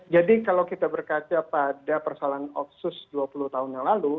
jadi kalau kita berkaca pada persoalan otsus dua puluh tahun yang lalu